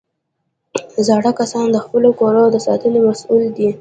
زاړه کسان د خپلو کورو د ساتنې مسؤل دي